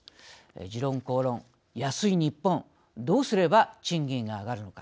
「時論公論」安いニッポンどうすれば賃金が上がるのか。